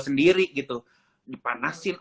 sendiri gitu panasin